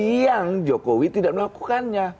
yang jokowi tidak melakukannya